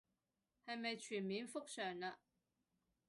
係咪全面復常嘞